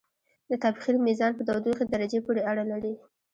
د تبخیر میزان په تودوخې درجې پورې اړه لري.